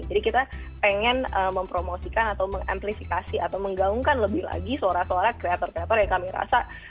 jadi kita pengen mempromosikan atau mengamplifikasi atau menggaungkan lebih lagi suara suara creator creator yang kami rasa